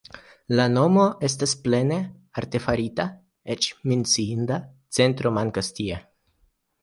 La nomo estas plene artefarita, eĉ menciinda centro mankas tie.